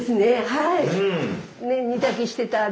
はい。